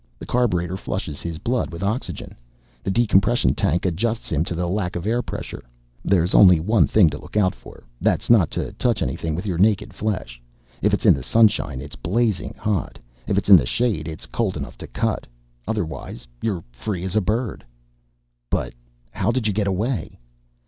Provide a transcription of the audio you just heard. The carburetor flushes his blood with oxygen, the decompression tank adjusts him to the lack of air pressure. There's only one thing to look out for; that's not to touch anything with your naked flesh. If it's in the sunshine it's blazing hot; if it's in the shade it's cold enough to cut. Otherwise you're free as a bird." "But how did you get away?"